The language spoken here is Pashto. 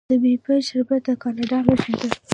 د میپل شربت د کاناډا نښه ده.